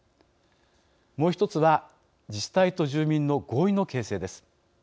もう１つは、自治体と住民の合意の形成です。